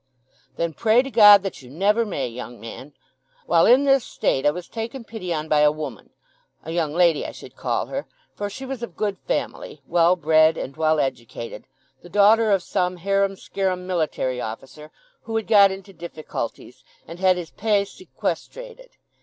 "Then pray to God that you never may, young man. While in this state I was taken pity on by a woman—a young lady I should call her, for she was of good family, well bred, and well educated—the daughter of some harum scarum military officer who had got into difficulties, and had his pay sequestrated.